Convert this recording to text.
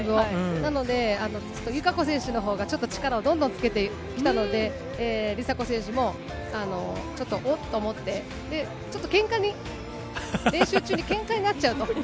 なので、友香子選手のほうがちょっと力をどんどんつけてきたので、梨紗子選手もちょっと、おっと思って、ちょっとけんかに、練習中にけんかになっちゃうと。